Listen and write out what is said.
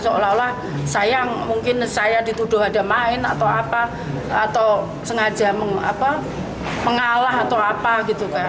seolah olah sayang mungkin saya dituduh ada main atau apa atau sengaja mengalah atau apa gitu kan